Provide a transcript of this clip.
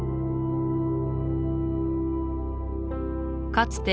かつて